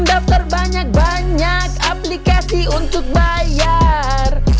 daftar banyak banyak aplikasi untuk bayar